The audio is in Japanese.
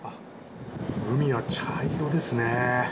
海が茶色ですね。